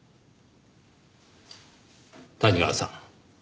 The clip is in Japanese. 谷川さん